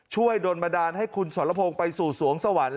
ช่วยโดรนมดานให้คุณสรพงศ์ไปสู่สวงสวรรค์